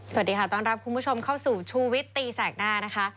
สวัสดีค่ะต้อนรับคุณผู้ชมเข้าสู่ชูวิตตีแสกหน้านะคะ